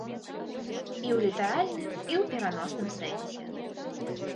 І ў літаральным, і ў пераносным сэнсе.